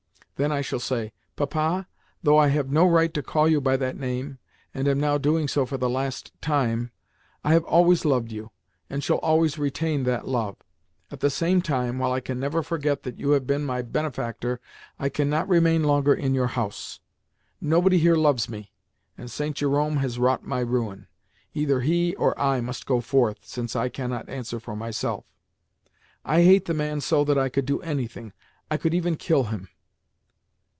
Then I shall say, 'Papa, though I have no right to call you by that name, and am now doing so for the last time, I have always loved you, and shall always retain that love. At the same time, while I can never forget that you have been my benefactor, I cannot remain longer in your house. Nobody here loves me, and St. Jerome has wrought my ruin. Either he or I must go forth, since I cannot answer for myself. I hate the man so that I could do anything—I could even kill him.